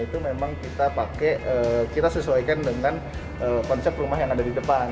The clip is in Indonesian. itu memang kita pakai kita sesuaikan dengan konsep rumah yang ada di depan